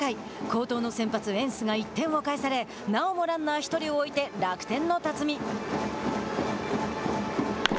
好投の先発エンスが１点を返されなおもランナー１人を置いて楽天の辰己。